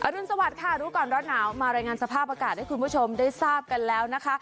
รุนสวัสดิค่ะรู้ก่อนร้อนหนาวมารายงานสภาพอากาศให้คุณผู้ชมได้ทราบกันแล้วนะคะ